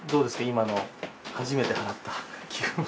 今の初めて払った気分は。